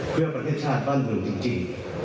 เพื่อประเทศชาติบ้านเมืองจริง